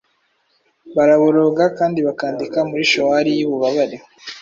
Baraboroga kandi bakandika muri showali yububabare,